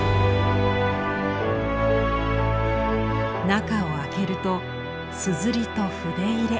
中を開けると硯と筆入れ。